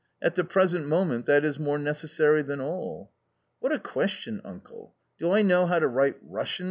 At the present moment that is more necessary than all." " What a question, uncle ; do I know how to write Russian